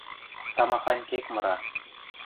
Тамахань кек мыра.